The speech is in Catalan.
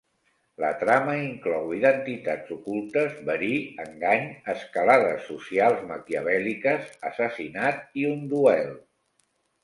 La trama inclou identitats ocultes, verí, engany, escalades socials maquiavèl·liques, assassinat i un duel.